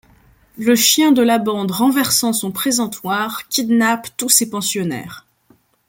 Le chien de la bande renversant son présentoir, kidnappe tous ses pensionnaires.